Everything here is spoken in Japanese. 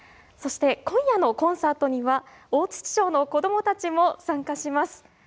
そして、今夜のコンサートには、大槌町の子どもたちも参加します。